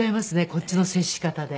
こっちの接し方で。